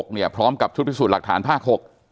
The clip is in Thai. พร้อมกับชุดพิสูจน์หลักฐานภาค๖